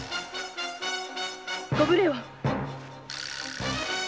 ご無礼を。